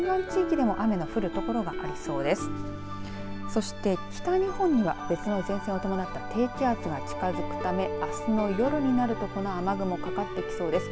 そして北日本には別の前線を伴った低気圧が近づくためあすの夜になるとこの雨雲かかってきそうです。